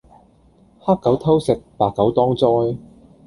黑狗偷食，白狗當災